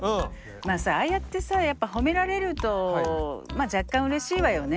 まあさああやってさやっぱ褒められるとまあ若干うれしいわよね。